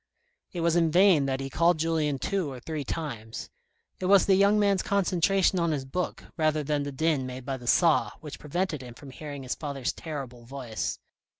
It was in vain that he called Julien two or three times. It was the young man's concentration on his book, rather than the din made by the saw, which prevented him from hearing his father's terrible voice.